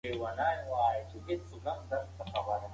نوي درسي پلانونه اوس مهال پلي کیږي.